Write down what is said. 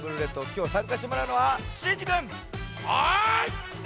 きょうさんかしてもらうのはシンジくん！はいっ！